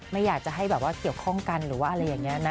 ไม่อยากจะให้แบบว่าเกี่ยวข้องกันหรือว่าอะไรอย่างนี้นะ